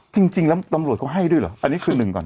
จริงแล้วตำรวจเขาให้ด้วยเหรออันนี้คือหนึ่งก่อน